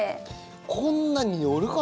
こんなにのるかね？